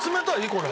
これ。